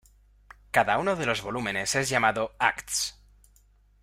Cada uno de los volúmenes es llamado "Acts".